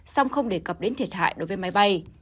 song không đề cập đến thiệt hại đối với máy bay